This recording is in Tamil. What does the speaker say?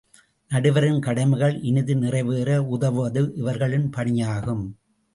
நடுவரின் கடமைகள் இனிது நிறைவேற உதவுவதும் இவர்களின் பணியாகும்.